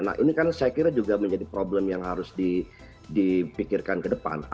nah ini kan saya kira juga menjadi problem yang harus dipikirkan ke depan